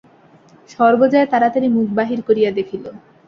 সর্বজয়া তাড়াতাড়ি মুখ বাহির করিয়া দেখিল।